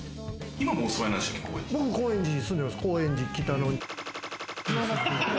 僕、高円寺に今も住んでます。